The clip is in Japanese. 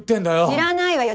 知らないわよ